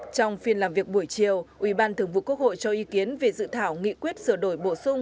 trong phiên làm việc buổi chiều ủy ban thường vụ quốc hội cho ý kiến về dự thảo nghị quyết sửa đổi bổ sung